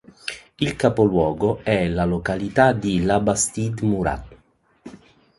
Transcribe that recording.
Il capoluogo è la località di Labastide-Murat.